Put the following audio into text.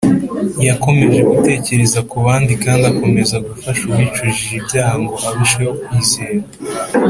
yakomeje gutekereza ku bandi, kandi akomeza gufasha uwicujije ibyaha ngo arusheho kwizera